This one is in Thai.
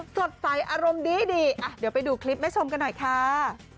สดใสอารมณ์ดีเดี๋ยวไปดูคลิปแม่ชมกันหน่อยค่ะ